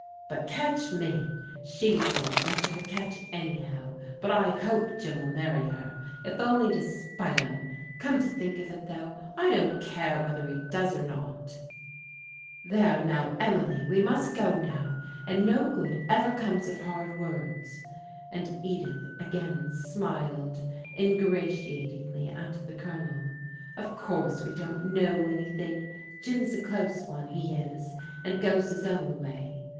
But, catch me ! She's not much of a catch, anyhow, but I hope Jim'U marry her if only to spite 'em: — come to think of it, though, I don't care whether he does or not" "There now, Emily, we must go now, and no good ever comes of hard words," and Edith again smiled in gratiatingly at the Colonel. " Of course we don't know anything. Jim's a close one, he is; and goes his own way.